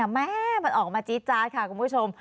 แม่มันออกมาจี๊ดจาดค่ะคุณผู้ชม